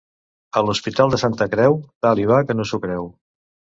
A l'hospital de Santa Creu, tal hi va que no s'ho creu.